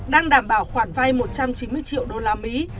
đang đảm bảo khoản vay một trăm chín mươi triệu đô la mỹ